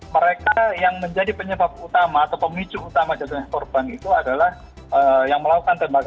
mereka yang menjadi penyebab utama atau pemicu utama jadinya korban itu adalah yang melakukan tembakan gas air mata